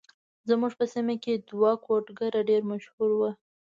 زموږ په سيمه کې دوه ګودره ډېر مشهور وو.